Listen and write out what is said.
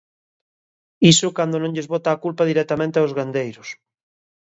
Iso cando non lles bota a culpa directamente aos gandeiros.